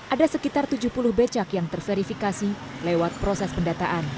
ada sekitar tujuh puluh becak yang terverifikasi lewat proses pendataan